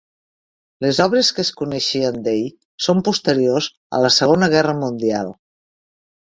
Les obres que es coneixen d'ell, són posteriors a la Segona Guerra Mundial.